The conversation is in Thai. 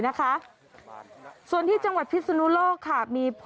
น้ำป่าเสดกิ่งไม้แม่ระมาศ